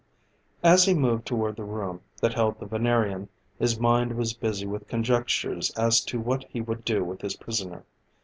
As he moved toward the room that held the Venerian, his mind was busy with conjectures as to what he would do with his prisoner.